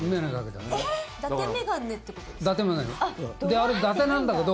あれだてなんだけど。